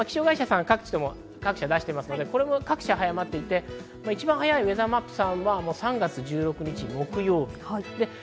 気象会社さん、各社とも出していますが、早まっていって、一番早いウェザーマップさんは３月１６日、木曜日。